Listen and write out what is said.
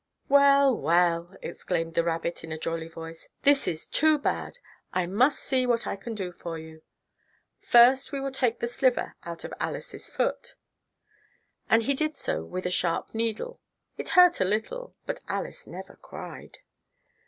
"Well, well!" exclaimed the rabbit in a jolly voice, "this is too bad. I must see what I can do for you. First we will take the sliver out of Alice's foot," and he did so with a sharp needle. It hurt a little, but Alice never cried.